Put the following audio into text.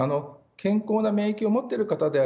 健康な免疫を持っている方なら